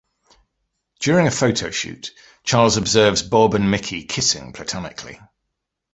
During a photo shoot, Charles observes Bob and Mickey kissing platonically.